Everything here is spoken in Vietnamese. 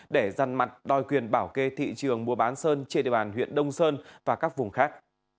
để răn mặt đòi quyền bảo kê thị trường mua bán sơn trên địa bàn huyện đông sơn và các vùng khác